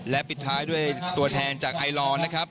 และปิดท้ายด้วยตัวแทนจากไอลอร์นะครับ